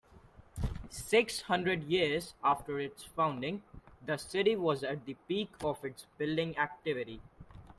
Six hundred years after its founding, the city was at the peak of its building activity.